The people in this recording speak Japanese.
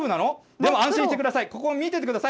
でも安心してください。